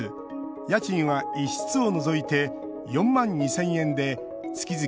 家賃は１室を除いて４万２０００円で月々